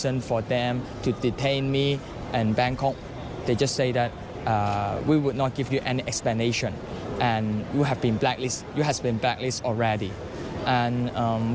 เมื่อผมขอร้องการถึงที่ไทย